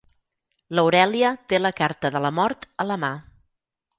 L'Aurèlia té la carta de la Mort a la mà.